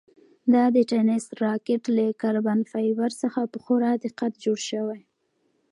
دا د تېنس راکټ له کاربن فایبر څخه په خورا دقت جوړ شوی.